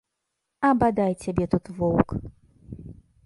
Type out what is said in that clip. А бадай цябе тут воўк!